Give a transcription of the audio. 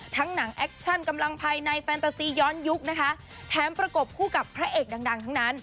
หนังแอคชั่นกำลังภายในแฟนตาซีย้อนยุคนะคะแถมประกบคู่กับพระเอกดังดังทั้งนั้น